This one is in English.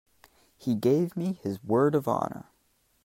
He gave me his word of honor.